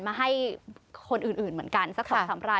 มาให้คนอื่นเหมือนกันสักครั้งสำร้าย